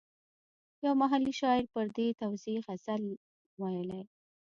یو محلي شاعر پر دې توزېع غزل ویلی.